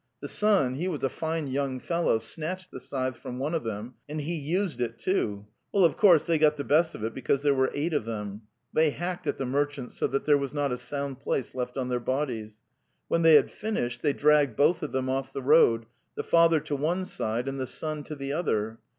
The son, he was a fine young fellow, snatched the scythe from one of them, and he used it, too. ... Well, of course, they got the best of it because there were eight of them. They hacked at the merchants so that there was not a sound place left on their bodies; when they had finished they dragged both of them off the road, the father to one side and the son to the other.